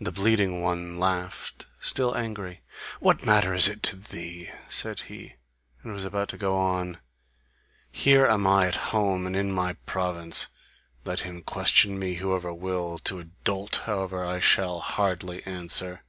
The bleeding one laughed, still angry, "What matter is it to thee!" said he, and was about to go on. "Here am I at home and in my province. Let him question me whoever will: to a dolt, however, I shall hardly answer."